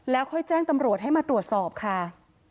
แล้วค่อยแจ้งตำรวจให้มาตรวจสอบค่ะ